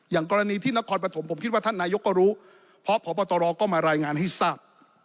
อย่างกรณีที่นครปฐมผมคิดว่าท่านนายกก็รู้เพราะพบตรก็มารายงานให้ทราบ